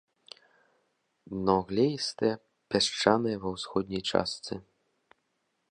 Дно глеістае, пясчанае ва ўсходняй частцы.